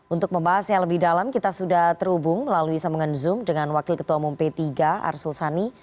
untuk membahasnya lebih dalam kita sudah terhubung melalui sambungan zoom dengan wakil ketua umum p tiga arsul sani